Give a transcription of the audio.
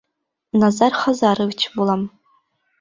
Назар Хазарович булам.